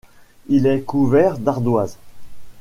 Il est couvert d'ardoise.